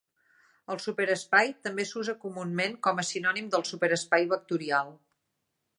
El superespai també s'usa comunament com a sinònim del super espai vectorial.